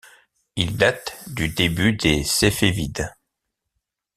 Il date du début des séfévides.